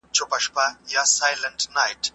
ایا نوي کروندګر خندان پسته ساتي؟